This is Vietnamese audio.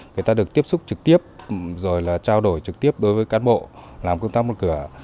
người ta được tiếp xúc trực tiếp rồi là trao đổi trực tiếp đối với cán bộ làm công tác một cửa